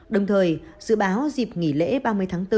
đồng thời dự báo dịp nghỉ lễ ba mươi tháng bốn